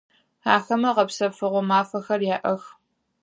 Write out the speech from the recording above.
Ахэмэ гъэпсэфыгъо мафэхэр яӏэх.